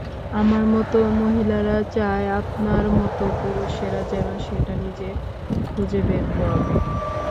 আমার মতো মহিলারা চায়, আপনার মতো পুরুষেরা যেন সেটা নিজে খুঁজে বের করে।